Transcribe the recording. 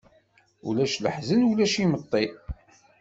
Ulac leḥzen, ulac imeṭṭi.